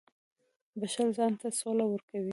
• بښل ځان ته سوله ورکوي.